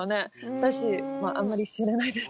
私はあんまり知らないです。